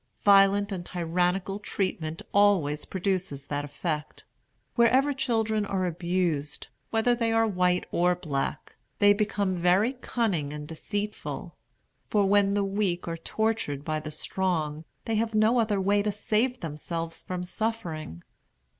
Violent and tyrannical treatment always produces that effect. Wherever children are abused, whether they are white or black, they become very cunning and deceitful; for when the weak are tortured by the strong, they have no other way to save themselves from suffering.